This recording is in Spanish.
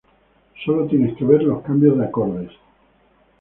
Sólo tienes que ver los cambios de acordes.